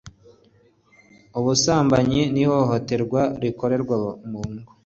Ubusambanyi n ihohoterwa rikorerwa mu ngo